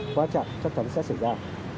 quá trạm chắc chắn sẽ xảy ra